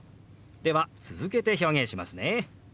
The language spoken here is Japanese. では続けて表現しますね。